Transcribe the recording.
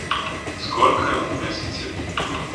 Сколько ему месяцев?